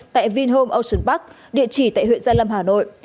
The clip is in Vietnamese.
tại vinhome ocean park địa chỉ tại huyện gia lâm hà nội